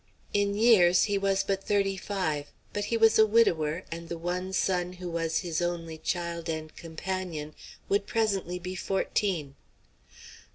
In years he was but thirty five; but he was a widower, and the one son who was his only child and companion would presently be fourteen.